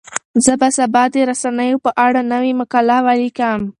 زه به سبا د رسنیو په اړه نوې مقاله ولیکم.